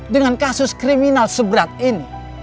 dengan kasus kriminal seberat ini